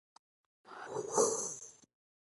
له لومړیو اشخاصو و